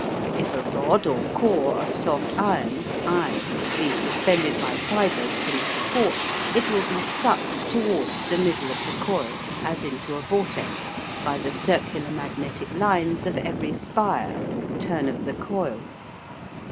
If a rod or core of soft iron I be suspended by fibres from a support, it will be sucked towards the middle of the coil as into a vortex, by the circular magnetic lines of every spire or turn of the coil.